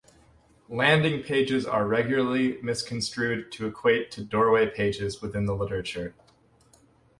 Landing pages are regularly misconstrued to equate to Doorway pages within the literature.